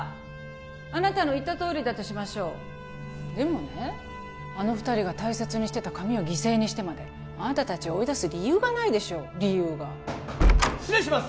あなたの言ったとおりだとしましょうでもねあの二人が大切にしてた髪を犠牲にしてまであなた達を追い出す理由がないでしょ理由が失礼します